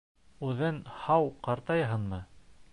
Үҙең һау ҡартаяһыңмы?